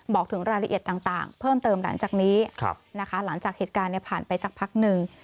บอกถึงรายละเอียดต่างเพิ่มเติมหลังจากนี้นะคะหลังจากเหตุการณ์ผ่านไปสักพักหนึ่ง